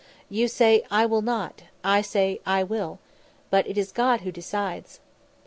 "You say 'I will not,' I say 'I will,' but it is God who decides."